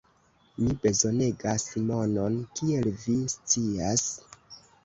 mi bezonegas monon, kiel vi scias.